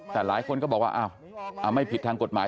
แต่หลายคนก็บอกว่าไม่ผิดทางกฎหมาย